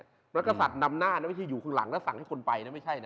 นักกษัตริย์นำหน้านะไม่ใช่อยู่ข้างหลังแล้วสั่งให้คนไปนะไม่ใช่นะ